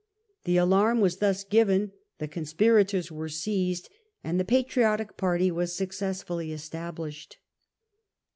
The alarm was thus given, the conspirators were seized and the patriotic party was successfully established.